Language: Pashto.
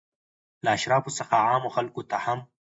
له اشرافو څخه عامو خلکو ته هم.